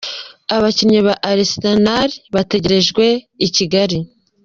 Abakinnyi ba Arsenal bategerejwe i Kigali.